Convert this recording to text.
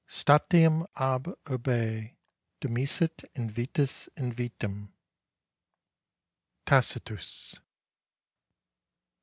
statim ab urbe demisit invitus invitam. TACITUS.